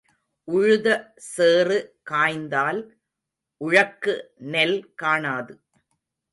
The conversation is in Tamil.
உழுத சேறு காய்ந்தால் உழக்கு நெல் காணாது.